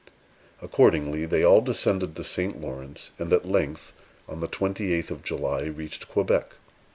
Accordingly, they all descended the St. Lawrence, and at length, on the twenty eighth of July, reached Quebec.